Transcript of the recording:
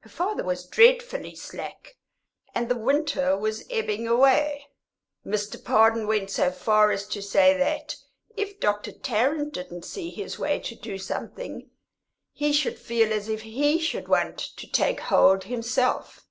Her father was dreadfully slack, and the winter was ebbing away. Mr. Pardon went so far as to say that if Dr. Tarrant didn't see his way to do something, he should feel as if he should want to take hold himself.